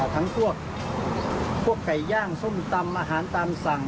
ทั้งพวกไก่ย่างส้มตำอาหารตามสั่ง